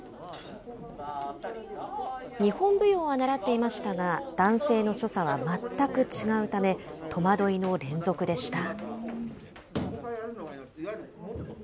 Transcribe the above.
日本舞踊は習っていましたが、男性の所作は全く違うため、戸惑いの連続でした。